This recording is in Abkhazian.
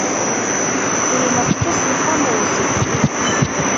Еимактәыс иҳамоузеи?